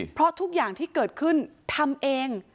เพราะทุกอย่างที่เกิดขึ้นทำเอง